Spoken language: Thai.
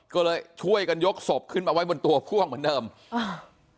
ก็เลยช่วยกันยกศพขึ้นมาไว้บนตัวพ่วงเหมือนเดิมอ่า